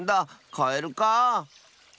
カエルかあ。